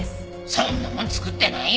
そんなもん作ってないよ。